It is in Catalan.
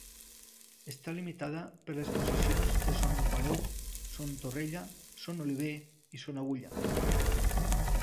Està limitada per les possessions de Son Palou, Son Torrella, Son Oliver i Son Agulla.